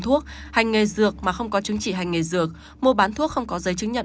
thuốc hành nghề dược mà không có chứng chỉ hành nghề dược mua bán thuốc không có giấy chứng nhận